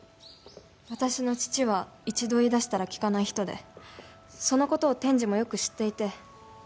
私の父は一度言い出したら聞かない人でその事を天智もよく知っていて。